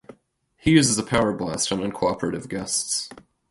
He uses a power blast on uncooperative guests.